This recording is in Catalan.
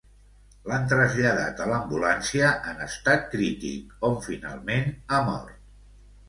L'han traslladat a l'ambulància en estat crític, on finalment ha mort.